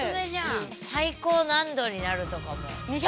最高何℃になるとかも。え！？